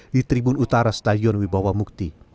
di tribun utara stadion wibawa mukti